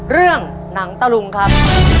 เรื่องหนังตะลุงครับ